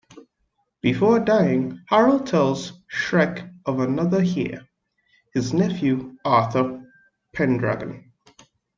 Before dying, Harold tells Shrek of another heir: his nephew, Arthur Pendragon.